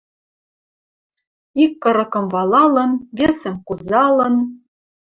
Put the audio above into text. «Ик кырыкым валалын, весӹм кузалын...»